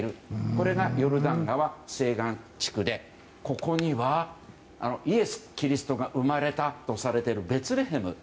これがヨルダン川西岸地区でここには、イエス・キリストが生まれたとされているベツレヘム。